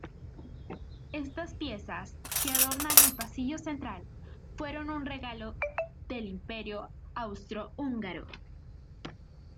Estas piezas que adornan el pasillo central, fueron un regalo del Imperio Austrohúngaro.